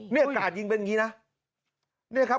เนี่ยกาศยิงเป็นอย่างนี้นะ